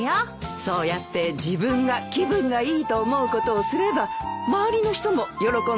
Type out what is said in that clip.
そうやって自分が気分がいいと思うことをすれば周りの人も喜んでくれるんだよ。